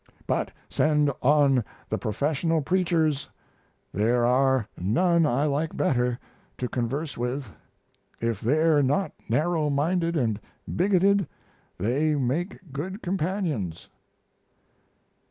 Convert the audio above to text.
But send on the professional preachers there are none I like better to converse with; if they're not narrowminded and bigoted they make good companions.